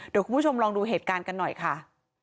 เดี๋ยวคุณผู้ชมลองดูเหตุการณ์กันหน่อยค่ะ